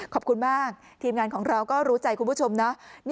ขอบคุณมากทีมงานของเราก็รู้ใจคุณผู้ชมนะ